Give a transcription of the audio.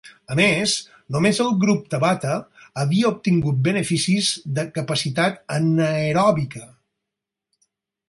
A més, només el grup Tabata havia obtingut beneficis de capacitat anaeròbica.